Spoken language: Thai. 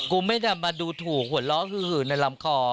ไม่ได้มาดูถูกหัวเราะคือหื่นในลำคอ